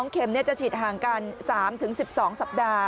เข็มจะฉีดห่างกัน๓๑๒สัปดาห์